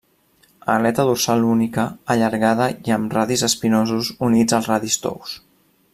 Aleta dorsal única, allargada i amb els radis espinosos units als radis tous.